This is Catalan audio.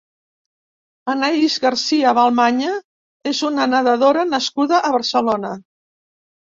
Anaïs Garcia Balmaña és una nedadora nascuda a Barcelona.